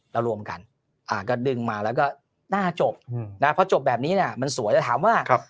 รวมกันก็ดึงมาแล้วก็หน้าจบพอจบแบบนี้เนี่ยมันสวยแต่ถามว่า